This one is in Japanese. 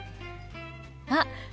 あっ！